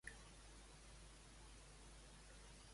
On tenia rellevància Mezulla?